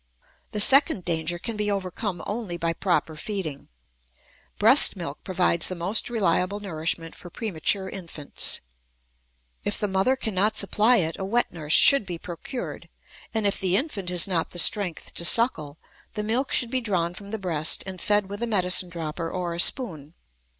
The second danger can be overcome only by proper feeding. Breast milk provides the most reliable nourishment for premature infants. If the mother cannot supply it, a wet nurse should be procured, and, if the infant has not the strength to suckle, the milk should be drawn from the breast and fed with a medicine dropper or a spoon.